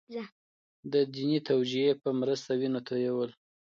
د دیني توجیه په مرسته وینه تویول.